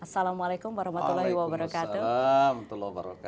assalamualaikum warahmatullahi wabarakatuh